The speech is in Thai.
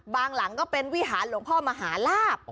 หลังก็เป็นวิหารหลวงพ่อมหาลาบ